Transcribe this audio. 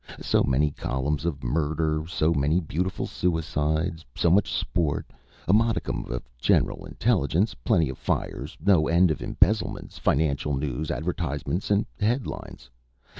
So many columns of murder, so many beautiful suicides, so much sport, a modicum of general intelligence, plenty of fires, no end of embezzlements, financial news, advertisements, and head lines.